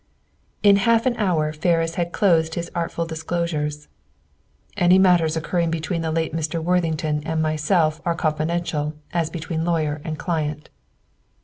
In half an hour Ferris had closed his artful disclosures. "Any matters occurring between the late Mr. Worthington and myself are confidential as between lawyer and client."